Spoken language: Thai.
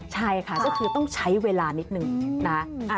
ใช่ค่ะก็คือต้องใช้เวลานิดนึงนะ